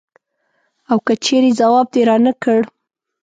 او که چېرې ځواب دې رانه کړ.